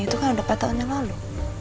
itu kan ada empat tahun yang lalu